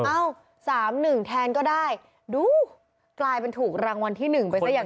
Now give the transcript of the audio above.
เอ้า๓๑แทนก็ได้ดูกลายเป็นถูกรางวัลที่๑ไปซะอย่างนั้น